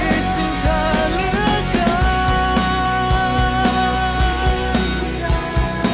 คิดถึงเธอเหลือเกินไม่มีที่รัก